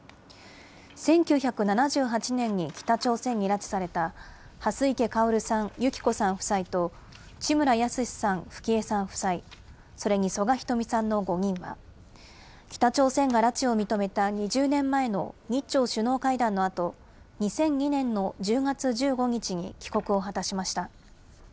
１９７８年に北朝鮮に拉致された、蓮池薫さん、祐木子さん夫妻と、地村保志さん、富貴恵さん夫妻、それに曽我ひとみさんの５人は、北朝鮮が拉致を認めた２０年前の日朝首脳会談のあと、２００２年の１０月１５日に帰国を果たしました。